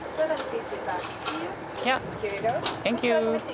サンキュー。